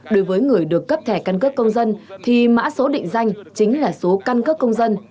đối với người được cấp thẻ căn cước công dân thì mã số định danh chính là số căn cấp công dân